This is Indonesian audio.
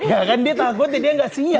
ya kan dia takutnya dia gak siap gitu